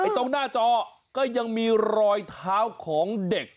ตรงหน้าจอก็ยังมีรอยเท้าของเด็ก